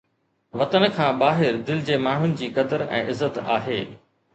وطن کان ٻاهر دل جي ماڻهن جي قدر ۽ عزت آهي